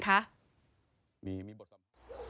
คุณเฮียนมาสอน